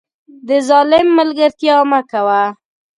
د ظالم ملګرتیا مه کوه